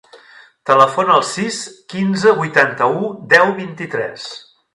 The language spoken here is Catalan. Telefona al sis, quinze, vuitanta-u, deu, vint-i-tres.